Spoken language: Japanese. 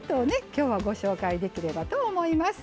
きょうはご紹介できればと思います。